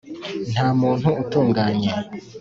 nta muntu utunganye.